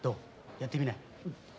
やってみない？